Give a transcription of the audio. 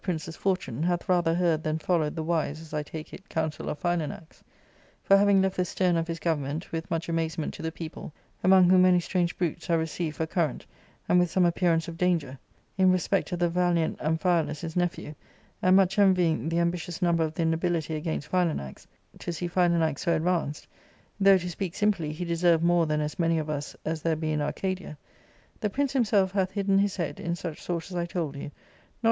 prince's fortune^ hath rathd^ heard thanJhJiQwed the wis© (as. Xtjake it) counsel of Philanax. For, having left the stern of his government, with much amazement to the people, among whom many strange bruits f are received for current, and witli some appearance of danger in respect of the * This is most admirably and closely argued. f Rumours. ARCADIA.— Bcok L valiant Amphialus his nephew, and much envying the ambi tious number of the nobility against Philanax, to see Philanax so advanced — though, to speak simply, he deserved more than as many of us as there be in Arcadia — the prince ' himself hath hidden his head, in such sort as I told you, not